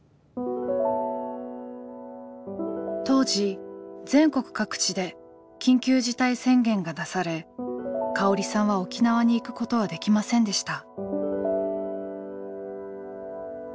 当時全国各地で緊急事態宣言が出されかおりさんは沖縄に行くことはできませんでした。